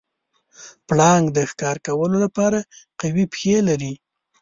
پړانګ د ښکار کولو لپاره قوي پښې لري.